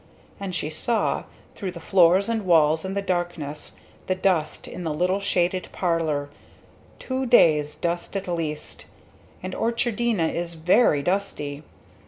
And she saw, through the floors and walls and the darkness, the dust in the little shaded parlor two days' dust at least, and Orchardina is very dusty!